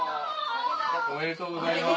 おめでとうございます。